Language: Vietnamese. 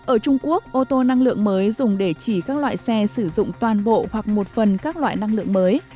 ở trung quốc ô tô năng lượng mới dùng để chỉ các loại xe sử dụng toàn bộ hoặc một phần các loại năng lượng mới